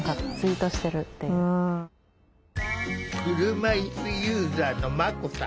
車いすユーザーのまこさん。